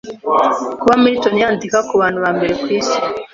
ku kuba Milton yandika ku bantu ba mbere ku isi